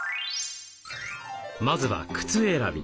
まずは靴選び。